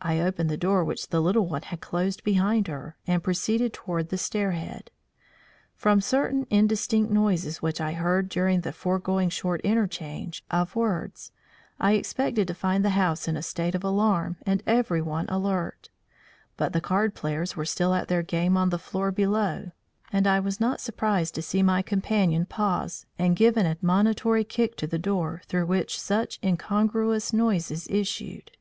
I opened the door which the little one had closed behind her, and proceeded toward the stair head. From certain indistinct noises which I had heard during the foregoing short interchange of words, I expected to find the house in a state of alarm and everyone alert. But the card players were still at their game on the floor below, and I was not surprised to see my companion pause and give an admonitory kick to the door through which such incongruous noises issued.